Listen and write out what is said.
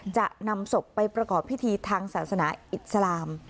จะนำศพไปประกอบพิธีทางศาสนาอิสลาม